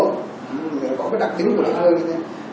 nó có cái đặc tính của vùng vúa như thế